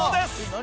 何？